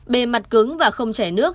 bề mặt cứng và không chảy nước